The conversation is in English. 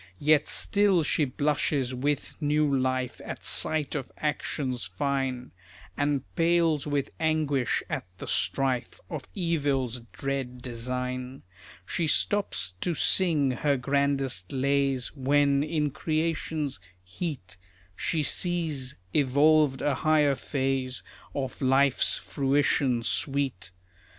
Yet still she blushes with new life At sight of actions fine, And pales with anguish at the strife Of evil's dread design. She stops to sing her grandest lays When, in creation's heat, She sees evolved a higher phase Of life's fruition sweet.